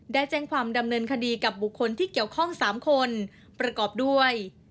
ได้แจ้งความดำเนินคดีกับบุคคลที่เกี่ยวข้อง๓คนประกอบด้วย